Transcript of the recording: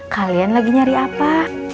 kalian lagi nyari apa